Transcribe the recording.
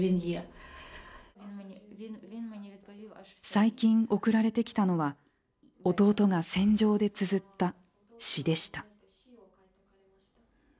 最近送られてきたのは弟が戦場でつづった詩でした。